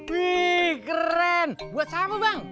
wih keren buat siapa bang